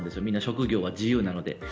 みんな職業は自由なので。